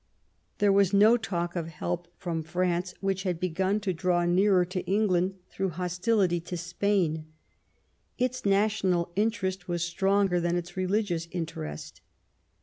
There W2ts no talk of help from France, which had begun to draw nearer to England through hos tility to Spain. Its national interest was stronger than its religious interest.